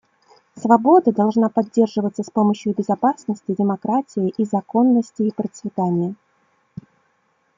Свобода должна поддерживаться с помощью безопасности, демократии и законности и процветания.